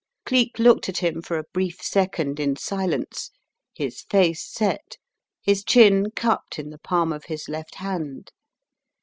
Cleek looked at him for a brief second in silence, his face set, his chin cupped in the palm of his left hand.